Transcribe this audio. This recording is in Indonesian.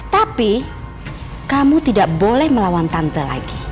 tapi kamu tidak boleh melawan tante lagi